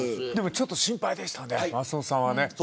ちょっと心配でした松本さんは。